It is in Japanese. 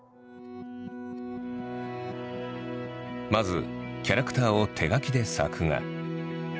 まずキャラクターを手描きで作画。